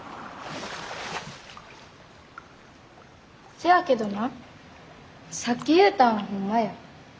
せやけどなさっき言うたんはホンマや。